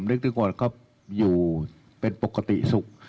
นึกถึงคนเขาอยู่เป็นปกติสุข